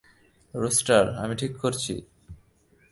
Rooster, আমি ঠিক করছি!